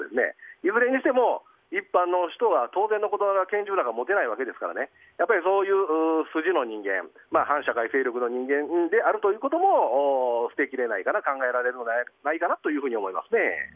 いずれにしても、一般の人は当然のことながら拳銃なんか持てないわけですからそういう筋の人間反社会勢力の人間であるという線も捨てきれないかな考えられるのではないかなと思いますね。